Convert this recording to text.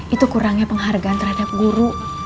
itu kurangnya penghargaan terhadap guru